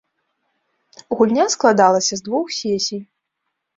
Гульня складалася з двух сесій.